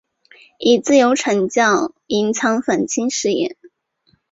以自由传教隐藏反清事业。